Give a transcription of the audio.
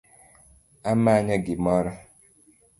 Amanyo gimiro